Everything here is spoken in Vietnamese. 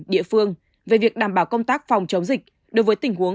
địa phương về việc đảm bảo công tác phòng chống dịch đối với tình huống